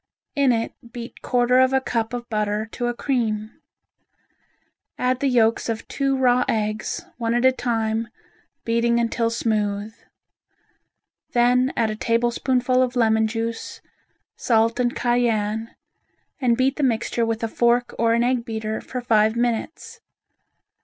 In it beat quarter of a cup of butter to a cream. Add the yolks of two raw eggs, one at a time, beating until smooth. Then add a tablespoonful of lemon juice, salt and cayenne, and beat the mixture with a fork or an egg beater, for five minutes.